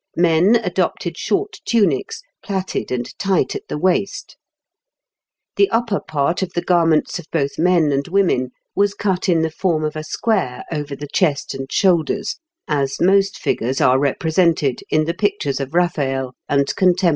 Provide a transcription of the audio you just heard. Men adopted short tunics, plaited and tight at the waist. The upper part of the garments of both men and women was cut in the form of a square over the chest and shoulders, as most figures are represented in the pictures of Raphael and contemporary painters.